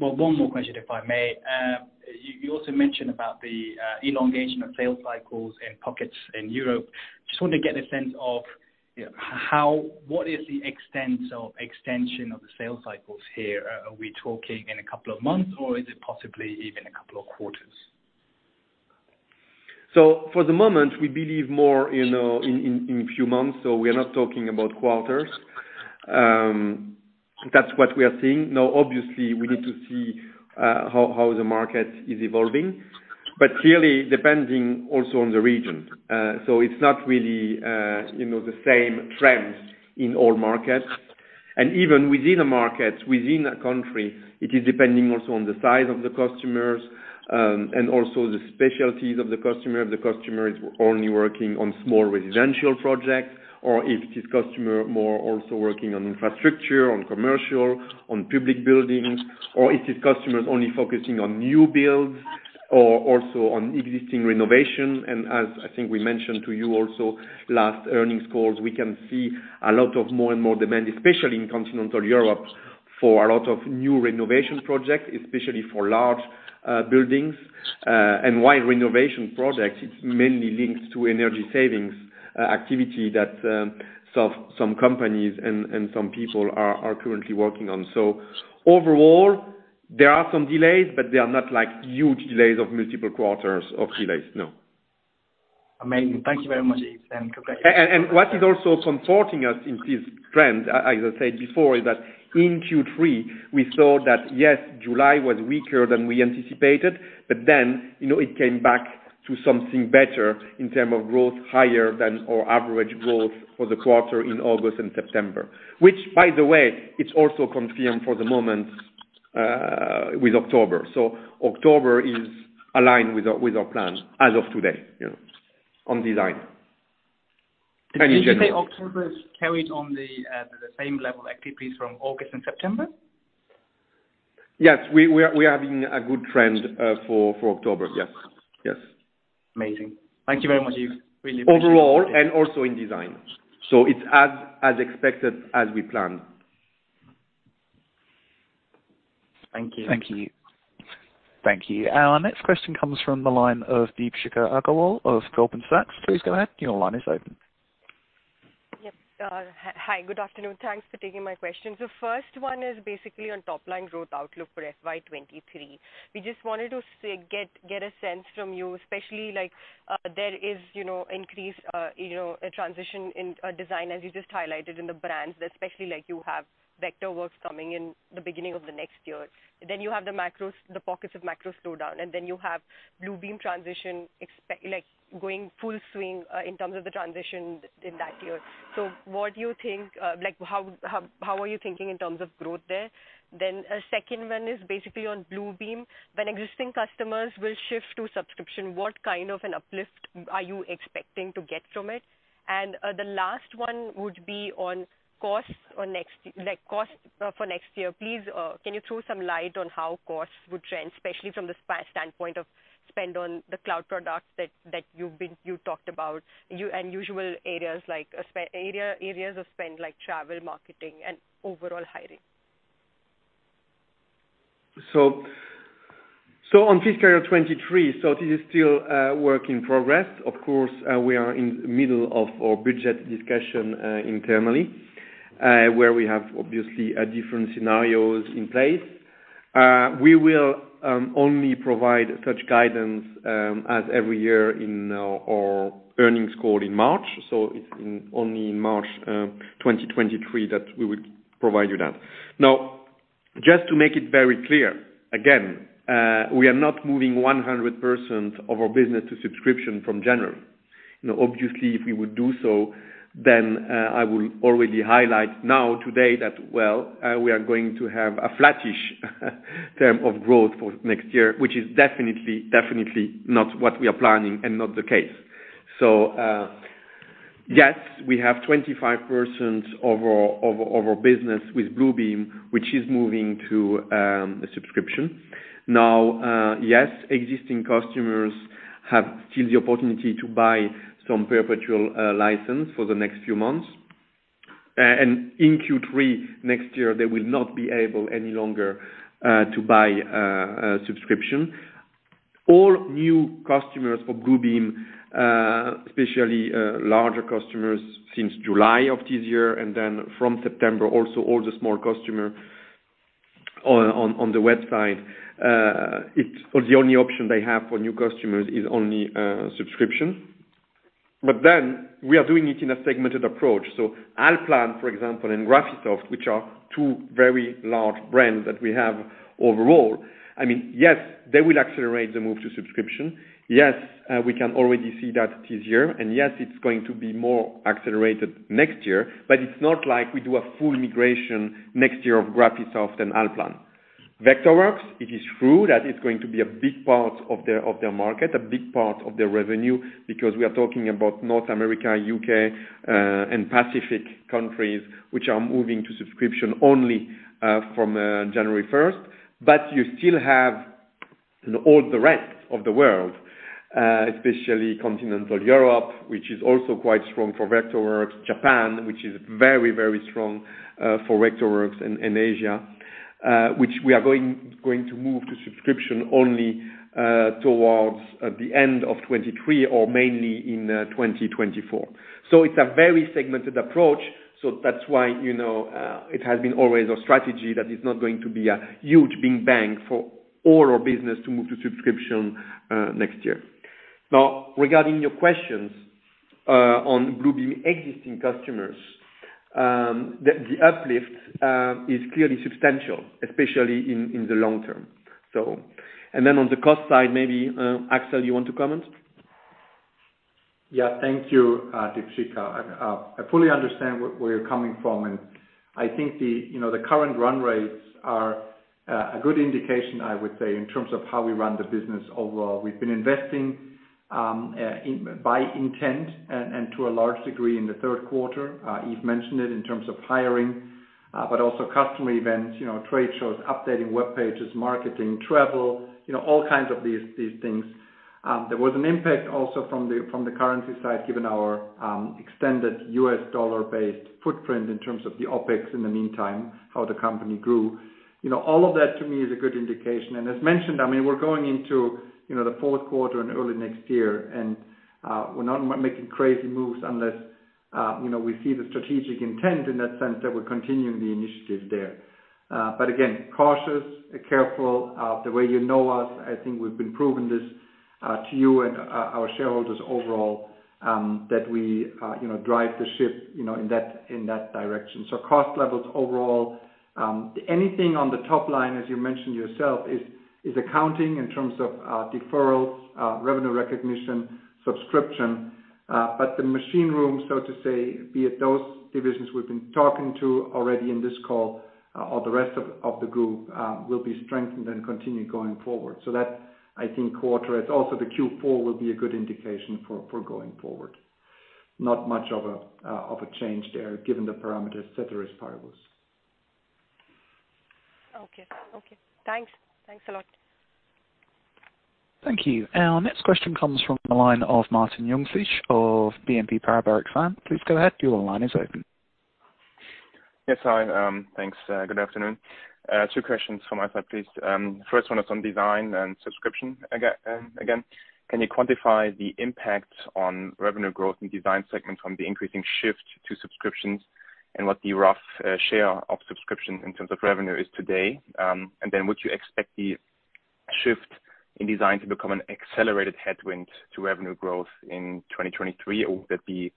Well, one more question, if I may. You also mentioned about the elongation of sales cycles in pockets in Europe. Just want to get a sense of what is the extent or extension of the sales cycles here? Are we talking in a couple of months or is it possibly even a couple of quarters? For the moment, we believe more, you know, in few months. We are not talking about quarters. That's what we are seeing. Now, obviously, we need to see how the market is evolving, but clearly depending also on the region. It's not really, you know, the same trends in all markets. Even within a market, within a country, it is depending also on the size of the customers, and also the specialties of the customer. If the customer is only working on small residential projects, or if this customer more also working on infrastructure, on commercial, on public buildings, or if this customer is only focusing on new builds or also on existing renovation. As I think we mentioned to you also last earnings calls, we can see a lot of more and more demand, especially in continental Europe, for a lot of new renovation projects, especially for large buildings. While renovation projects, it mainly links to energy savings activity that some companies and some people are currently working on. Overall, there are some delays, but they are not like huge delays of multiple quarters of delays. No. Amazing. Thank you very much, Yves, and congratulations. What is also supporting us in this trend, as I said before, is that in Q3, we saw that, yes, July was weaker than we anticipated, but then, you know, it came back to something better in terms of growth higher than our average growth for the quarter in August and September. Which by the way, it's also confirmed for the moment, with October. October is aligned with our plan as of today, you know, on design. Did you say October is carried on the same level activities from August and September? Yes. We are having a good trend for October. Yes. Yes. Amazing. Thank you very much, Yves. Really appreciate it. Overall, and also in design. It's as expected as we planned. Thank you. Thank you. Thank you. Our next question comes from the line of Deepshikha Agarwal of Goldman Sachs. Please go ahead. Your line is open. Yep. Hi, good afternoon. Thanks for taking my question. First one is basically on top line growth outlook for FY 2023. We just wanted to get a sense from you, especially like, there is, you know, increased, you know, a transition in design as you just highlighted in the brands, especially like you have Vectorworks coming in the beginning of the next year. You have the macros, the pockets of macro slowdown, and then you have Bluebeam transition like going full swing, in terms of the transition in that year. What do you think, like how are you thinking in terms of growth there? A second one is basically on Bluebeam. When existing customers will shift to subscription, what kind of an uplift are you expecting to get from it? The last one would be on costs for next year, like costs for next year. Please can you throw some light on how costs would trend, especially from the standpoint of spend on the cloud products that you've been talking about, unusual areas like special areas of spend, like travel, marketing, and overall hiring. On fiscal year 2023, this is still work in progress. Of course, we are in middle of our budget discussion internally, where we have obviously a different scenarios in place. we will only provide such guidance as every year in our earnings call in March. it's only in March 2023 that we would provide you that. Now, just to make it very clear, again, we are not moving 100% of our business to subscription from January. You know, obviously, if we would do so, then I will already highlight now, today that well, we are going to have a flattish term of growth for next year, which is definitely not what we are planning and not the case. Yes, we have 25% of our business with Bluebeam, which is moving to a subscription. Existing customers have still the opportunity to buy some perpetual license for the next few months. In Q3 next year, they will not be able any longer to buy a perpetual license. All new customers for Bluebeam, especially larger customers since July of this year, and then from September also all the small customers on the website, the only option they have for new customers is subscription. We are doing it in a segmented approach. Allplan, for example, and Graphisoft, which are two very large brands that we have overall, I mean, yes, they will accelerate the move to subscription. Yes, we can already see that this year, and yes, it's going to be more accelerated next year, but it's not like we do a full migration next year of Graphisoft and Allplan, Vectorworks, it is true that it's going to be a big part of their market, a big part of their revenue, because we are talking about North America, UK, and Pacific countries, which are moving to subscription only, from January first. You still have all the rest of the world, especially Continental Europe, which is also quite strong for Vectorworks, Japan, which is very, very strong, for Vectorworks in Asia, which we are going to move to subscription only, towards the end of 2023, or mainly in 2024. It's a very segmented approach. That's why, you know, it has been always our strategy that it's not going to be a huge big bang for all our business to move to subscription, next year. Now, regarding your questions on Bluebeam existing customers, the uplift is clearly substantial, especially in the long term. Then on the cost side, maybe Axel, you want to comment? Yeah, thank you, Deepshikha. I fully understand where you're coming from, and I think the, you know, the current run rates are a good indication, I would say, in terms of how we run the business overall. We've been investing by intent and to a large degree in the third quarter. Yves mentioned it in terms of hiring, but also customer events, you know, trade shows, updating web pages, marketing, travel, you know, all kinds of these things. There was an impact also from the currency side, given our extended US dollar-based footprint in terms of the OpEx in the meantime, how the company grew. You know, all of that to me is a good indication. As mentioned, I mean, we're going into, you know, the fourth quarter and early next year, and we're not making crazy moves unless, you know, we see the strategic intent in that sense that we're continuing the initiative there. Again, cautious, careful, the way you know us, I think we've been proving this to you and our shareholders overall, that we, you know, drive the ship, you know, in that direction. Cost levels overall, anything on the top line, as you mentioned yourself, is accounting in terms of deferrals, revenue recognition, subscription, but the machine room, so to say, be it those divisions we've been talking to already in this call or the rest of the group, will be strengthened and continue going forward. I think that quarter, it's also the Q4 will be a good indication for going forward. Not much of a change there, given the parameters set the risk by us. Okay. Thanks a lot. Thank you. Our next question comes from the line of Martin Jungfleisch of BNP Paribas. Please go ahead. Your line is open. Yes, hi. Thanks. Good afternoon. Two questions from my side, please. First one is on design and subscription again. Can you quantify the impact on revenue growth in design segment from the increasing shift to subscriptions and what the rough share of subscription in terms of revenue is today? And then would you expect the shift in design to become an accelerated headwind to revenue growth in 2023, or would that be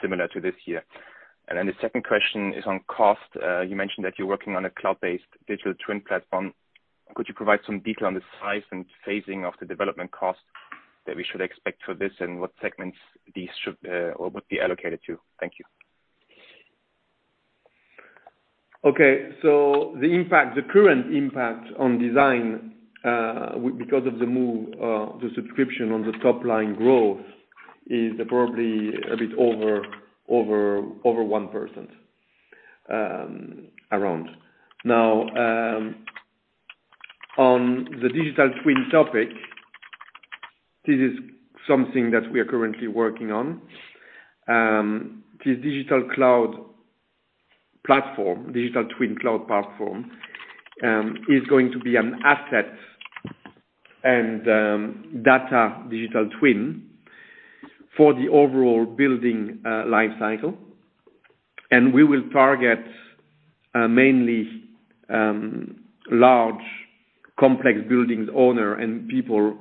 similar to this year? The second question is on cost. You mentioned that you're working on a cloud-based Digital Twin platform. Could you provide some detail on the size and phasing of the development costs that we should expect for this and what segments these should or would be allocated to? Thank you. Okay. The impact, the current impact on design because of the move to the subscription on the top line growth is probably a bit over 1%, around. Now, on the Digital Twin topic, this is something that we are currently working on. This digital cloud platform, Digital Twin cloud platform, is going to be an asset and data Digital Twin for the overall building life cycle. We will target mainly large complex buildings owners and people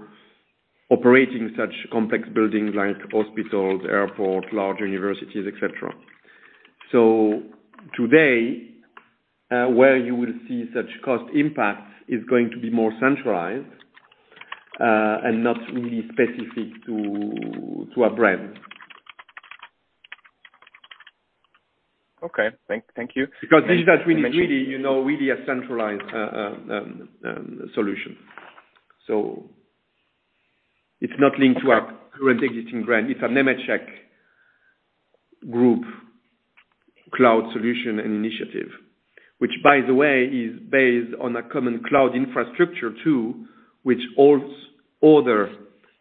operating such complex buildings like hospitals, airports, large universities, et cetera. Today, where you will see such cost impact is going to be more centralized and not really specific to a brand. Okay. Thank you. Because digital twin is really, you know, really a centralized solution. It's not linked to our current existing brand. It's a Nemetschek Group cloud solution and initiative. Which by the way, is based on a common cloud infrastructure too, which holds other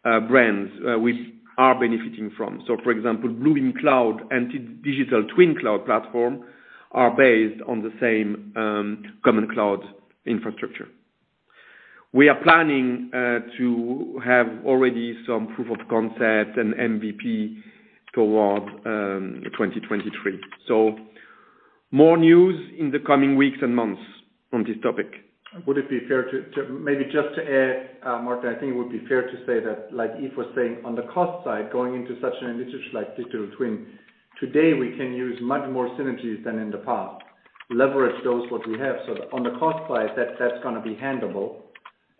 brands, which we are benefiting from. For example, Bluebeam Cloud and Digital Twin cloud platform are based on the same common cloud infrastructure. We are planning to have already some proof of concept and MVP toward 2023. More news in the coming weeks and months on this topic. Maybe just to add, Martin, I think it would be fair to say that like Yves was saying, on the cost side, going into such an initiative like Digital Twin, today we can use much more synergies than in the past, leverage those what we have. On the cost side, that's gonna be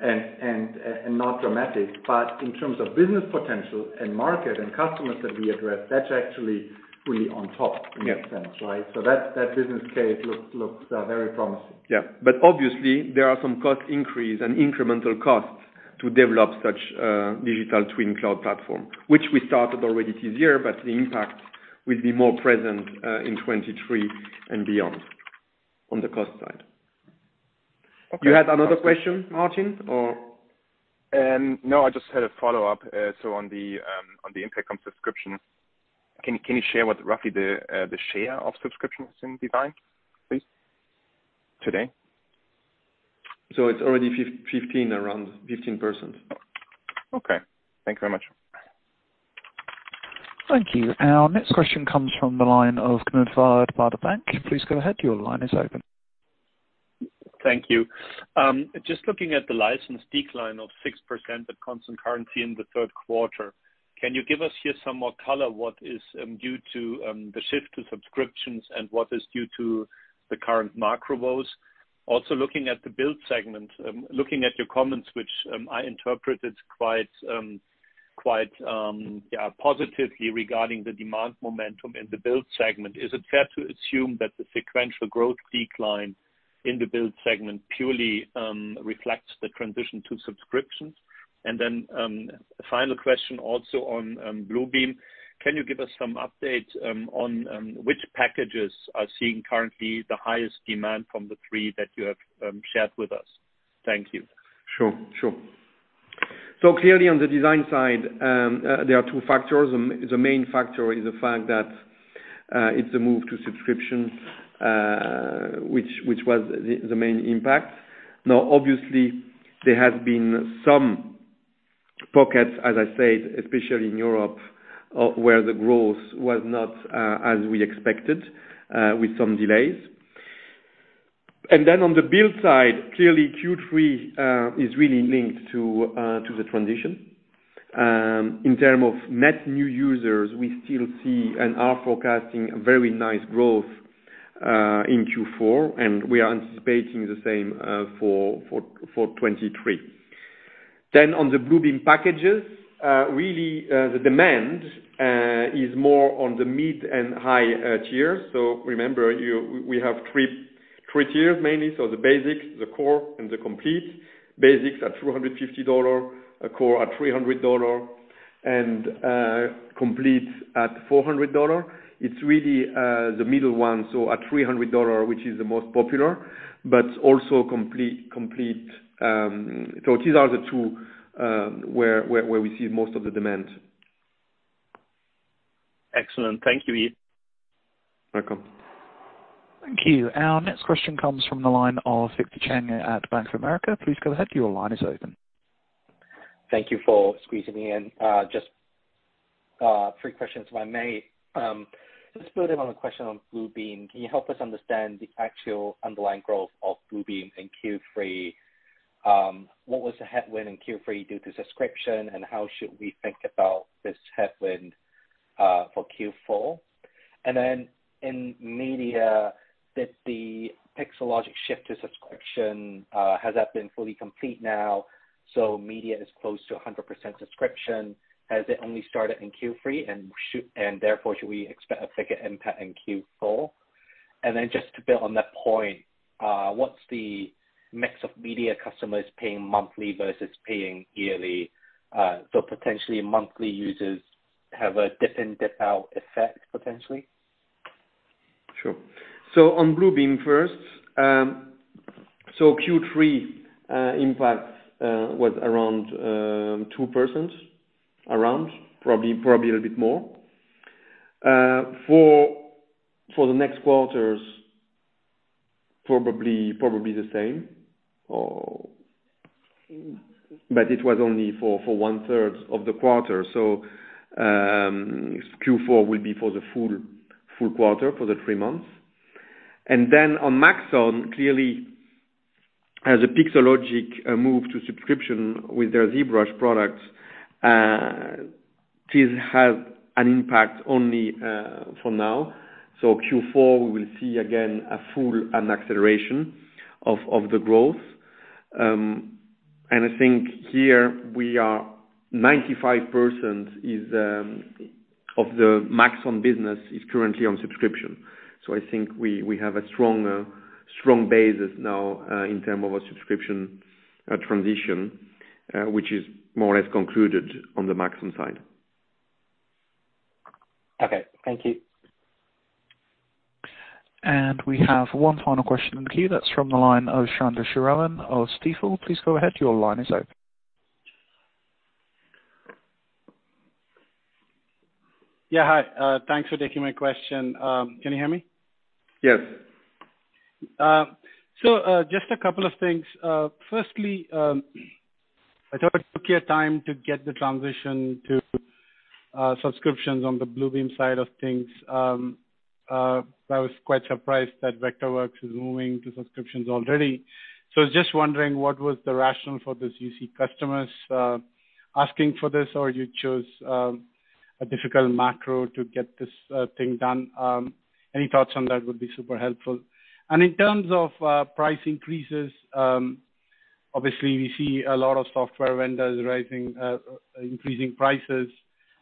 handleable. not dramatic, but in terms of business potential and market and customers that we address, that's actually really on top. Yeah. In that sense, right? That business case looks very promising. Obviously, there are some cost increase and incremental costs to develop such digital twin cloud platform, which we started already this year, but the impact will be more present in 2023 and beyond on the cost side. Okay. You had another question, Martin, or? No, I just had a follow-up. On the impact on subscription, can you share what roughly the share of subscriptions in design, please, today? It's already 15, around 15%. Okay. Thank you very much. Thank you. Our next question comes from the line of Knut Woller, Baader Bank. Please go ahead, your line is open. Thank you. Just looking at the license decline of 6% at constant currency in the third quarter, can you give us here some more color what is due to the shift to subscriptions and what is due to the current macro woes? Also looking at the build segment, looking at your comments, which I interpreted quite positively regarding the demand momentum in the build segment, is it fair to assume that the sequential growth decline in the build segment purely reflects the transition to subscriptions? Then, final question also on Bluebeam. Can you give us some updates on which packages are seeing currently the highest demand from the three that you have shared with us? Thank you. Sure. Clearly, on the design side, there are two factors. The main factor is the fact that it's a move to subscription, which was the main impact. Now obviously, there has been some pockets, as I said, especially in Europe, where the growth was not as we expected, with some delays. On the build side, clearly Q3 is really linked to the transition. In terms of net new users, we still see and are forecasting very nice growth in Q4, and we are anticipating the same for 2023. On the Bluebeam packages, really, the demand is more on the mid and high tier. Remember, we have three tiers mainly: the Basic, the Core, and the Complete. Basics at $350, Core at $300, and complete at $400. It's really the middle one, so at $300 which is the most popular, but also complete. These are the two where we see most of the demand. Excellent. Thank you, Yves. Welcome. Thank you. Our next question comes from the line of Victor Chen at Bank of America. Please go ahead, your line is open. Thank you for squeezing me in. Just three questions if I may. Just building on the question on Bluebeam, can you help us understand the actual underlying growth of Bluebeam in Q3? What was the headwind in Q3 due to subscription, and how should we think about this headwind for Q4? In media, did the Pixologic shift to subscription has that been fully complete now, so media is close to a 100% subscription? Has it only started in Q3, and therefore should we expect a bigger impact in Q4? Just to build on that point, what's the mix of media customers paying monthly versus paying yearly? Potentially monthly users have a dip in, dip out effect potentially. Sure. On Bluebeam first, Q3 impact was around 2%, probably a little bit more. For the next quarters, probably the same. It was only for one-third of the quarter. Q4 will be for the full quarter, for the three months. Then on Maxon, clearly as the Pixologic move to subscription with their ZBrush products, this has an impact only for now. Q4, we will see again a full acceleration of the growth. I think here we are 95% is of the Maxon business is currently on subscription. I think we have a strong basis now in terms of a subscription transition which is more or less concluded on the Maxon side. Okay, thank you. We have one final question in the queue. That's from the line of Chandramouli Sriraman of Stifel. Please go ahead, your line is open. Yeah. Hi, thanks for taking my question. Can you hear me? Yes. Just a couple of things. Firstly, I thought it took you a time to get the transition to subscriptions on the Bluebeam side of things. I was quite surprised that Vectorworks is moving to subscriptions already. I was just wondering what was the rationale for this. Do you see customers asking for this or you chose a difficult macro to get this thing done. Any thoughts on that would be super helpful. In terms of price increases, obviously we see a lot of software vendors increasing prices.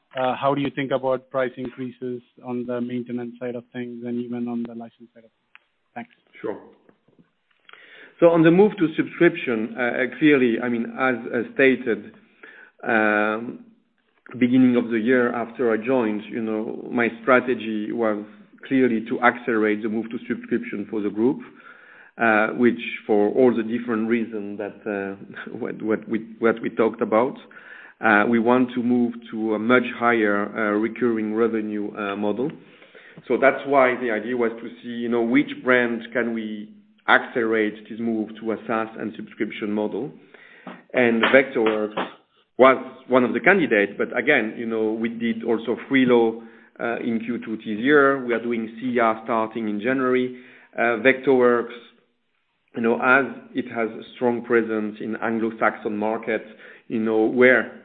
How do you think about price increases on the maintenance side of things and even on the license side of things? Thanks. Sure. On the move to subscription, clearly, I mean, as stated, beginning of the year after I joined, you know, my strategy was clearly to accelerate the move to subscription for the group, which for all the different reasons that we talked about, we want to move to a much higher recurring revenue model. That's why the idea was to see, you know, which brands can we accelerate this move to a SaaS and subscription model. Vector was one of the candidates, but again, you know, we did also FRILO in Q2 this year. We are doing SCIA starting in January. Vectorworks, you know, as it has a strong presence in Anglo-Saxon markets, you know, where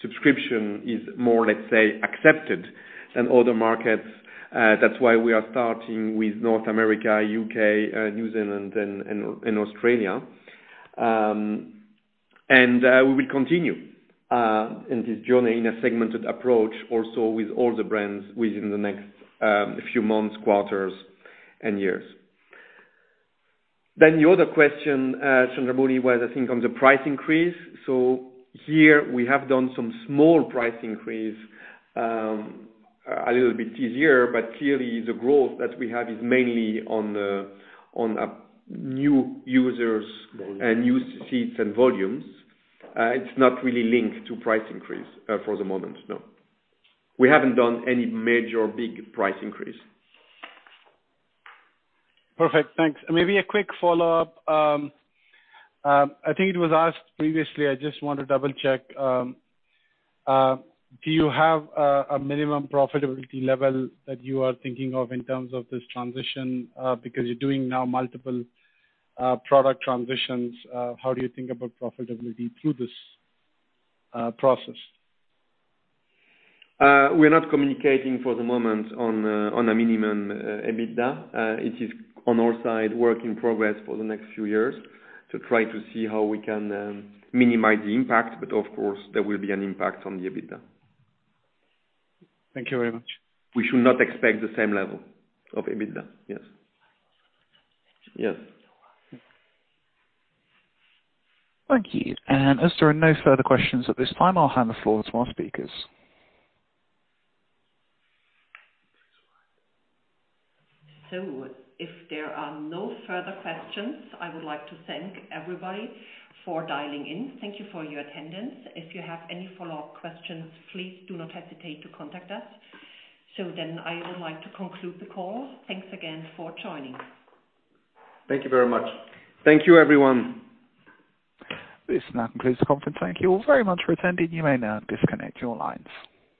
subscription is more, let's say, accepted in other markets, that's why we are starting with North America, UK, New Zealand and Australia. We will continue in this journey in a segmented approach also with all the brands within the next few months, quarters and years. The other question, Chandramouli was I think on the price increase. Here we have done some small price increase, a little bit easier, but clearly the growth that we have is mainly on the new users and new seats and volumes. It's not really linked to price increase, for the moment, no. We haven't done any major big price increase. Perfect. Thanks. Maybe a quick follow-up. I think it was asked previously. I just want to double-check. Do you have a minimum profitability level that you are thinking of in terms of this transition? Because you're doing now multiple product transitions, how do you think about profitability through this process? We're not communicating for the moment on a minimum EBITDA. It is on our side work in progress for the next few years to try to see how we can minimize the impact, but of course there will be an impact on the EBITDA. Thank you very much. We should not expect the same level of EBITDA. Yes. Yes. Thank you. As there are no further questions at this time, I'll hand the floor to our speakers. If there are no further questions, I would like to thank everybody for dialing in. Thank you for your attendance. If you have any follow-up questions, please do not hesitate to contact us. I would like to conclude the call. Thanks again for joining. Thank you very much. Thank you, everyone. This now concludes the conference. Thank you all very much for attending. You may now disconnect your lines.